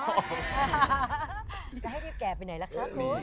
จะให้รีบแก่ไปไหนล่ะคะครู